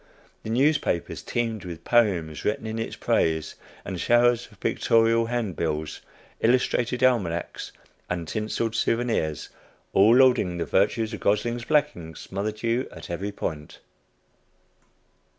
The newspapers teemed with poems written in its praise, and showers of pictorial handbills, illustrated almanacs, and tinseled souvenirs, all lauding the virtues of "Gosling's Blacking," smothered you at every point.